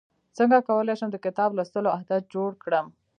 څنګه کولی شم د کتاب لوستلو عادت جوړ کړم